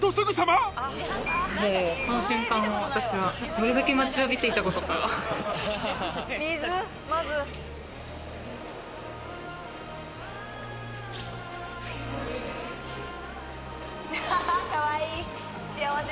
この瞬間を私はどれだけ待ちわびていたことか。